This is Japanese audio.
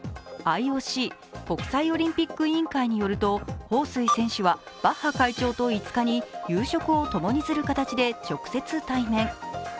ＩＯＣ＝国際オリンピック委員会によると彭帥選手はバッハ会長と５日に夕食をともにする形で直接、対面。